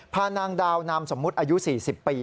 นางดาวนามสมมุติอายุ๔๐ปี